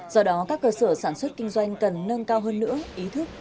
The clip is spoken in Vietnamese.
do đó các cơ sở sản xuất kinh doanh cần nâng cao hơn nữa ý thức